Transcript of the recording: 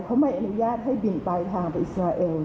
เขาไม่อนุญาตให้บินปลายทางไปอิสราเอล